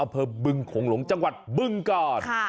อเผิมบึงของหลงจังหวัดบึงกาล